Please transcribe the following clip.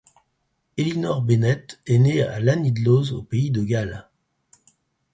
Elinor Bennett est née à Llanidloes, au Pays de Galles.